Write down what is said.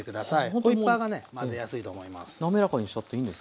ホイッパーがね混ぜやすいと思います。